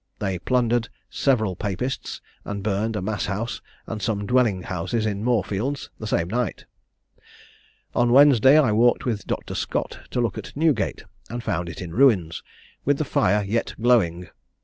They plundered several Papists, and burned a Mass house, and some dwelling houses in Moorfields, the same night. "On Wednesday I walked with Dr. Scott, to look at Newgate, and found it in ruins, with the fire yet glowing.